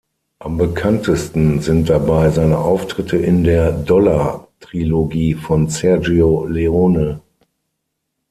Am bekanntesten sind dabei seine Auftritte in der "Dollar-Trilogie" von Sergio Leone.